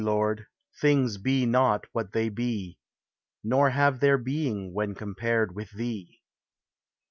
Lord, things be not what they be, Nor have their being, when compared with thee.